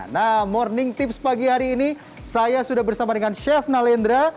nah morning tips pagi hari ini saya sudah bersama dengan chef nalendra